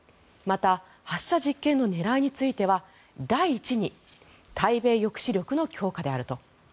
また、発射実験の狙いについては第一に対米抑止力の強化であると。